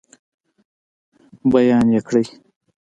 بیان یې کړئ.